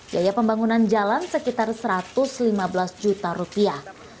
biaya pembangunan jalan sekitar satu ratus lima belas juta rupiah